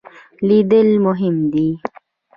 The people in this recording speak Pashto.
لیدل مهم دی.